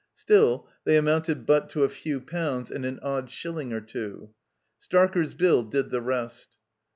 Still, they amotmted but to a few poimds and an odd shilling or two. Starker's bill did the rest.